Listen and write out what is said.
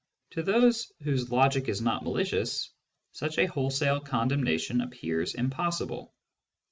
To those whose logic is not malicious, such a wholesale condemna tion appears impossible.